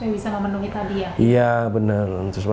bisa memenuhi tadi ya